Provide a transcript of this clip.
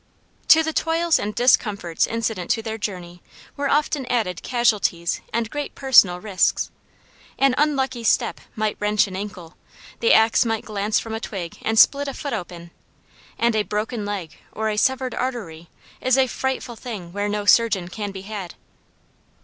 To the toils and discomforts incident to their journey were often added casualties and great personal risks. An unlucky step might wrench an ankle; the axe might glance from a twig and split a foot open; and a broken leg, or a severed artery, is a frightful thing where no surgeon can be had.